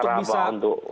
kita ramah untuk